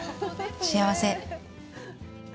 幸せ。